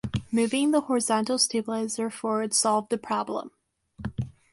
Moving the horizontal stabilizer forward solved the problem.